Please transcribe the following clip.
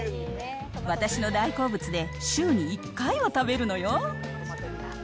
私の大好物で、週に１回は食べるのよ。